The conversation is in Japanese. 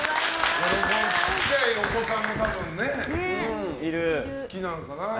ちっちゃいお子さんも多分ね好きなのかな。